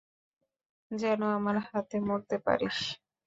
যেন আমার হাতে মরতে পারিস!